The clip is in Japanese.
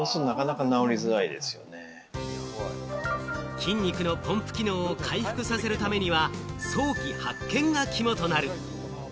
筋肉のポンプ機能を回復させるためには早期発見が肝となる。